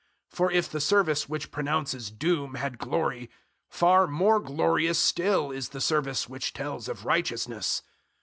003:009 For if the service which pronounces doom had glory, far more glorious still is the service which tells of righteousness.